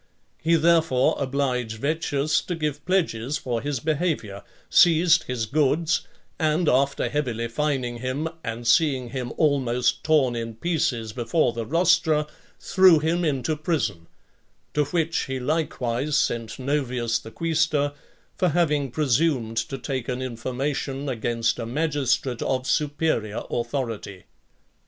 He, therefore, obliged Vettius to give pledges for his behaviour, seized his goods, and after heavily fining him, and seeing him almost torn in pieces before the rostra, threw him into prison; to which he likewise sent Novius the quaestor, for having presumed to take an information against a magistrate of superior authority.